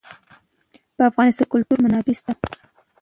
په افغانستان کې د کلتور منابع شته.